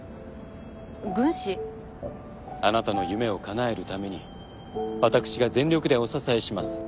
あなたの夢をかなえるために私が全力でお支えします。